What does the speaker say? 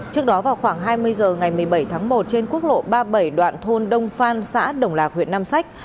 trước đó vào khoảng hai mươi h ngày một mươi bảy tháng một trên quốc lộ ba mươi bảy đoạn thôn đông phan xã đồng lạc huyện nam sách